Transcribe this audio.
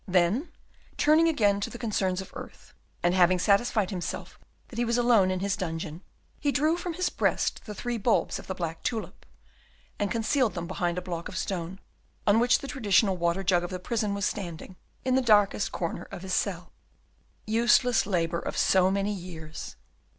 Then turning again to the concerns of earth, and having satisfied himself that he was alone in his dungeon, he drew from his breast the three bulbs of the black tulip, and concealed them behind a block of stone, on which the traditional water jug of the prison was standing, in the darkest corner of his cell. Useless labour of so many years!